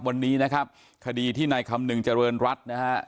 วันนี้นะครับคดีที่นายคำนึงเจริญรัฐนะฮะ